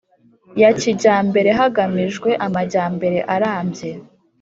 ya kijyambere hagamijwe amajyambere arambye